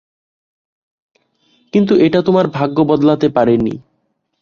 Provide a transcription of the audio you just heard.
কিন্তু এটা তোমার ভাগ্য বদলাতে পারেনি।